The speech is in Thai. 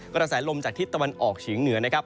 กระแสลมจากทิศตะวันออกเฉียงเหนือนะครับ